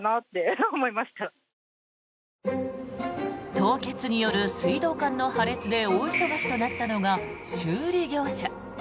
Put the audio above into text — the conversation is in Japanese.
凍結による水道管の破裂で大忙しとなったのが修理業者。